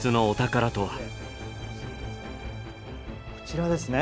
こちらですね。